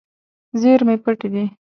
زیرمې پټې دي.